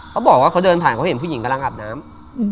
เขาบอกว่าเขาเดินผ่านเขาเห็นผู้หญิงกำลังอาบน้ำ